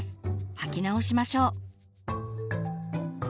履き直しましょう。